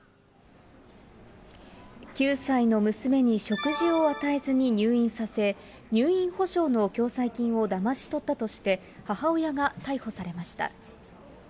９歳の娘に食事を与えずに入院させ、入院保障の共済金をだまし取ったとして、母親が逮捕されました。